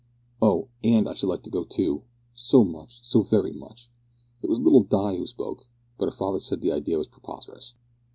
"Oh! and I should like to go too so much, so very much!" It was little Di who spoke, but her father said that the idea was preposterous.